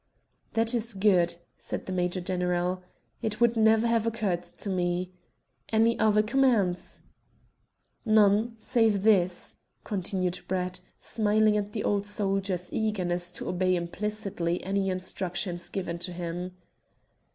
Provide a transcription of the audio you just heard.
"That is good," said the major general. "It would never have occurred to me. Any other commands?" "None, save this," continued Brett, smiling at the old soldier's eagerness to obey implicitly any instructions given to him.